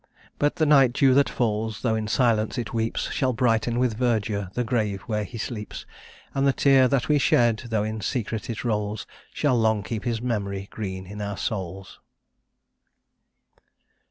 But the night dew that falls, though in silence it weeps, Shall brighten with verdure the grave where he sleeps; And the tear that we shed, though in secret it rolls, Shall long keep his memory green in our souls.